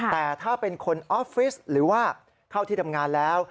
แต่ถ้าเป็นคนออฟฟิศหรือว่าเข้าที่ทำงานแล้ว